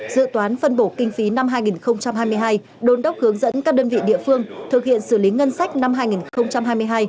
dự toán phân bổ kinh phí năm hai nghìn hai mươi hai đôn đốc hướng dẫn các đơn vị địa phương thực hiện xử lý ngân sách năm hai nghìn hai mươi hai